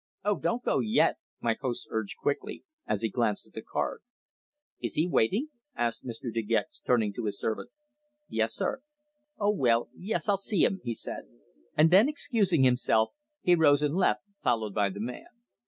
"Oh! don't go yet!" my host urged quickly, as he glanced at the card. "Is he waiting?" asked Mr. De Gex, turning to his servant. "Yes, sir." "Oh, well. Yes, I'll see him," he said. And then, excusing himself, he rose and left, followed by the man.